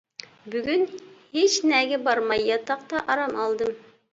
بۈگۈن ھېچنەگە بارماي ياتاقتا ئارام ئالدىم.